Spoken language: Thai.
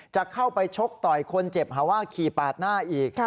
จะเข้าไปชกต่อยคนเจ็บหาว่าขี่ปาดหน้าอีก